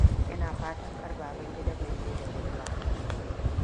Ina fatan kar Babangida bai zo da wuri ba.